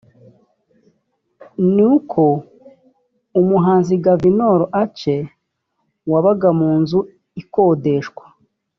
ni uko umuhanzi Guvnor Ace wabaga mu nzu ikodeshwa